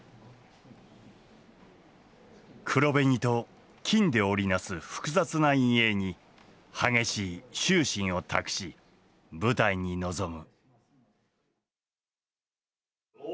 黒紅と金で織り成す複雑な陰影に激しい執心を託し舞台に臨む。